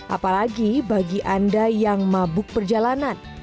apalagi bagi anda yang mabuk perjalanan